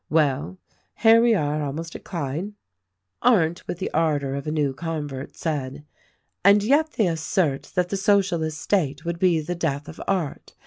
Well, here we are almost at Clyde." Arndt, with the ardor of a new convert, said, "And yet they assert that the Socialist state would be the death of art.